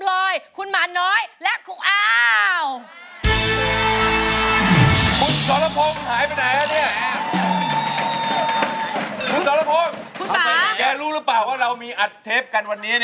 ร้องได้ให้ร้าน